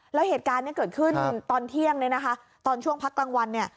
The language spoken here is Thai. แล้วเหตุการณ์เกิดขึ้นตอนเที่ยงตอนช่วงพักกลางวัน